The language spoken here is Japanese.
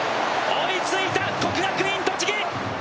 追いついた国学院栃木。